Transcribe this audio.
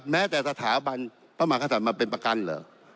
แม้แต่สถาบันพระมหากษัตริย์มาเป็นประกันเหรอ